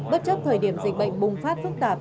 bất chấp thời điểm dịch bệnh bùng phát phức tạp